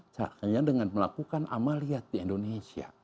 caranya dengan melakukan amaliyah di indonesia